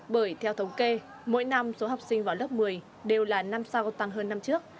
bởi theo thống kê mỗi năm số học sinh vào lớp một mươi đều là năm sau tăng hơn năm trước